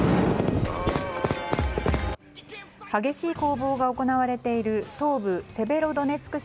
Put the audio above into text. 激しい攻防が行われている東部セベロドネツク